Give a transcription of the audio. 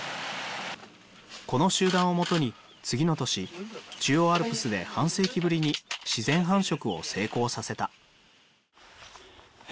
この集団をもとに次の年中央アルプスで半世紀ぶりに自然繁殖を成功させた。